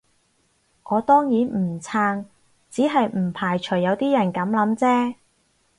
我當然唔撐，只係唔排除有啲人噉諗啫